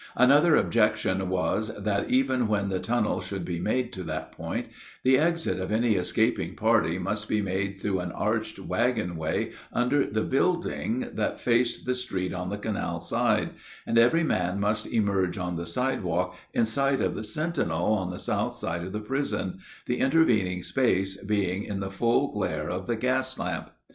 Another objection was that, even when the tunnel should be made to that point, the exit of any escaping party must be made through an arched wagon way under the building that faced the street on the canal side, and every man must emerge on the sidewalk in sight of the sentinel on the south side of the prison, the intervening space being in the full glare of the gas lamp.